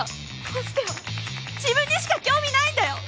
康介は自分にしか興味ないんだよ！